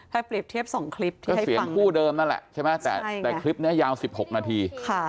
ถ้าเปรียบเทียบ๒คลิปก็เสียงคู่เดิมนั่นแหละใช่ไหมแต่คลิปนี้ยาว๑๖นาที